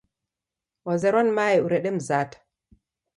Wazerwa ni mae urede mzata.